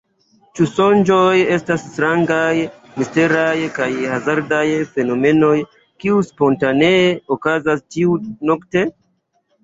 Ĉu sonĝoj estas strangaj, misteraj kaj hazardaj fenomenoj, kiuj spontanee okazas ĉiu-nokte?